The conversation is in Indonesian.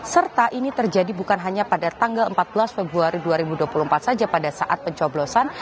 serta ini terjadi bukan hanya pada tanggal empat belas februari dua ribu dua puluh empat saja pada saat pencoblosan